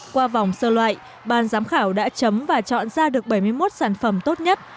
qua vòng sơ loại ban giám khảo đã chấm và chọn ra được bảy mươi một sản phẩm tốt nhất